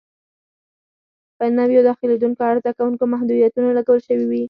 په نویو داخلېدونکو عرضه کوونکو محدودیتونه لګول شوي وي.